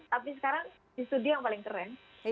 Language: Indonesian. tapi sekarang di studio yang paling keren